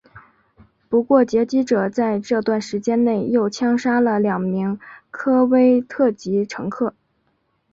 不过劫机者在这段时间内又枪杀了两名科威特籍乘客。